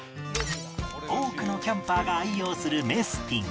多くのキャンパーが愛用するメスティン